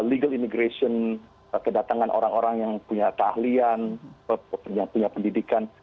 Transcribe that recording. legal immigration kedatangan orang orang yang punya keahlian yang punya pendidikan